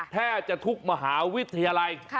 แทบจะทุกมหาวิทยาลัย